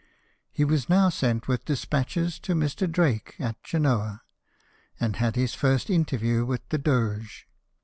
He was now sent with despatches to Mr. Drake, at Genoa, and had his first interview with the Doge.